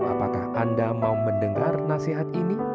apakah anda mau mendengar nasihat ini